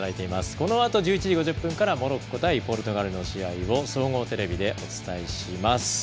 このあと１１時５０分からモロッコ対ポルトガルの試合を総合テレビでお伝えします。